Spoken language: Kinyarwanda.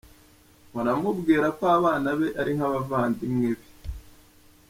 Mpora mubwira ko abana be ari nk’abavandimwe be.